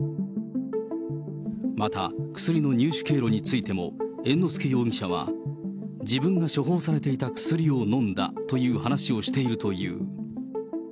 また、薬の入手経路についても猿之助容疑者は自分が処方されていた薬を飲んだという話をしているという。